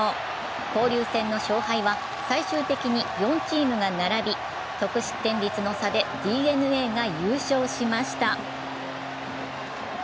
交流戦の勝敗は最終的に４チームが並び、得失点率の差でＤｅＮＡが優勝しました。